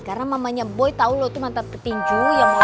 karena mamanya boy tau lu tuh mantan petinju